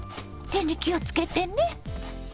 手に気をつけてね。